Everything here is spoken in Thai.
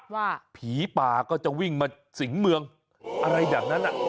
ว่าผีป่าก็จะวิ่งมาสิงเมืองอะไรแบบนั้น